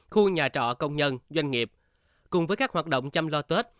khu nhà trọ công nhân doanh nghiệp cùng với các hoạt động chăm lo tết